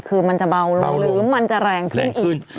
คือมันจะเบาลงหรือมันจะแรงขึ้นอีก